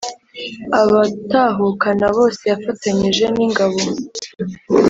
abatahukana bose Yafatanyije n ingabo